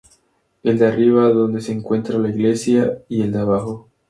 El de arriba, donde se encuentra la iglesia; y el de abajo.